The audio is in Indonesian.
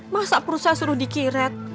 masa perusahaan suruh dikiret